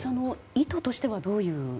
意図としてはどういう？